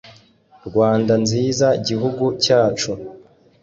rwanda nziza gihugu cyacu